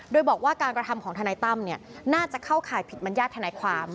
โดยบอกว่าการกระทำของทนายตั้มน่าจะเข้าข่ายผิดมัญญาติธนายความ